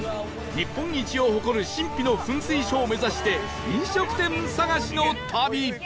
日本一を誇る神秘の噴水ショーを目指して飲食店探しの旅